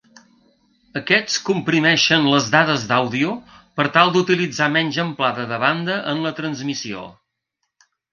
Aquests comprimeixen les dades d'àudio per tal d'utilitzar menys amplada de banda en la transmissió.